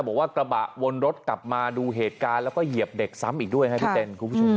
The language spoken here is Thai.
บอกว่ากระบะวนรถกลับมาดูเหตุการณ์แล้วก็เหยียบเด็กซ้ำอีกด้วยครับพี่เต้นคุณผู้ชม